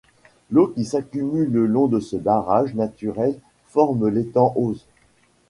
L'eau qui s'accumule le long de ce barrage naturel forme l'étang Oze.